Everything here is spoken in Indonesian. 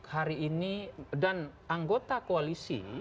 hari ini dan anggota koalisi